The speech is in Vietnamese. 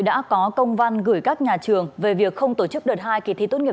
đã có công văn gửi các nhà trường về việc không tổ chức đợt hai kỳ thi tốt nghiệp